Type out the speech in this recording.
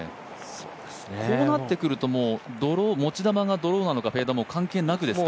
こうなってくると、持ち球がドローなのかフェードなのかどうか関係なくですか？